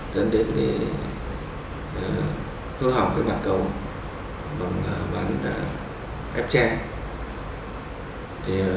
dẫn đến hư hỏng mặt cầu bằng vật ép tre